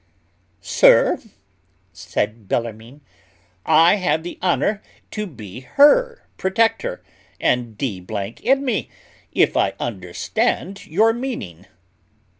"Sir," said Bellarmine, "I have the honour to be her protector; and, d n me, if I understand your meaning."